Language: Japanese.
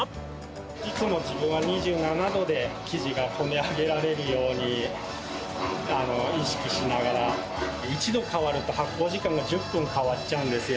いつも自分は２７度で生地がこね上げられるように意識しながら、１度変わると発酵時間が１０分変わっちゃうんですよ。